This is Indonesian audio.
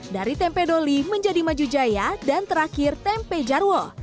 dari tempe doli menjadi maju jaya dan terakhir tempe jarwo